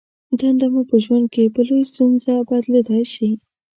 دنده مو په ژوند کې په لویې ستونزه بدلېدای شي.